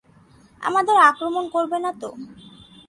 আমাদের আক্রমণ করবে না তো?